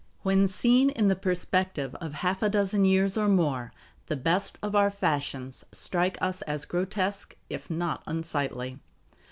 When seen in the perspective of half a dozen years or more, the best of our fashions strike us as grotesque, if not unsightly.